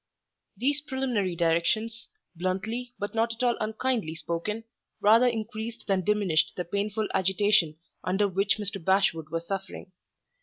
These preliminary directions, bluntly but not at all unkindly spoken, rather increased than diminished the painful agitation under which Mr. Bashwood was suffering.